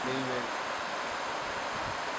دسویں صدی تک یہ شہر ہندو راجائوں کے زیرتسلط رہا